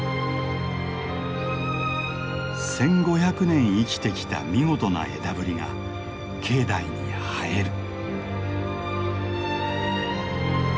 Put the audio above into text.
１，５００年生きてきた見事な枝ぶりが境内に映える。